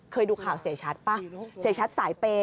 เคยดูข่าวเสียชัดป่ะเสียชัดสายเปย